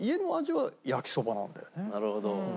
なるほど。